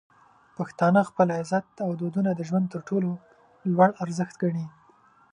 پښتانه خپل عزت او دودونه د ژوند تر ټولو لوړ ارزښت ګڼي.